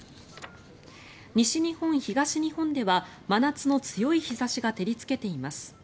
西日本、東日本では真夏の強い日差しが照りつけています。